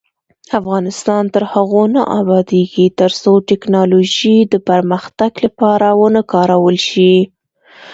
افغانستان تر هغو نه ابادیږي، ترڅو ټیکنالوژي د پرمختګ لپاره ونه کارول شي.